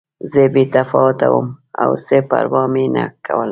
زه بې تفاوته وم او څه پروا مې نه کوله